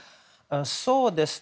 そうですね。